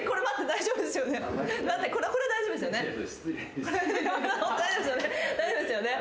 大丈夫ですよね。